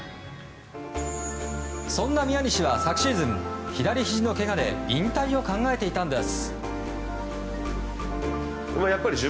そんな宮西は昨シーズン左ひじのけがで引退を考えていたんです。